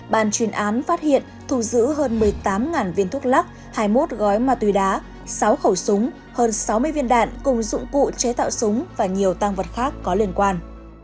bàn chuyên án phát hiện thù giữ hơn một mươi tám viên thuốc lắc hai mươi một gói ma túy đá sáu khẩu súng hơn sáu mươi viên đạn cùng dụng cụ chế tạo súng và nhiều tăng vật khác có liên quan